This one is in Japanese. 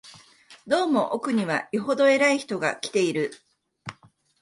どうも奥には、よほど偉い人が来ている